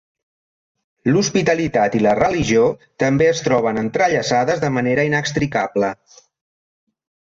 L'hospitalitat i la religió també es troben entrellaçades de manera inextricable.